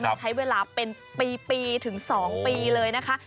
มันใช้เวลาเป็นปีถึง๒ปีเลยนะคะ